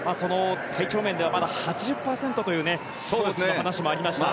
体調面では８０％というコーチの話もありました。